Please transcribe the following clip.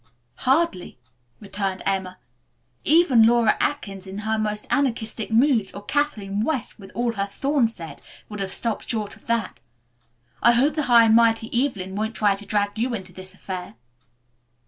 "Hardly," returned Emma. "Even Laura Atkins in her most anarchistic moods, or Kathleen West with all her thorns set, would have stopped short of that. I hope the high and mighty Evelyn won't try to drag you into this affair."